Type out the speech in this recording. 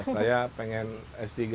saya pengen s tiga